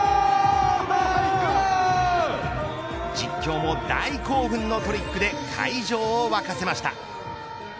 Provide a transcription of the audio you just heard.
実況も大興奮のトリックで会場を沸かせました。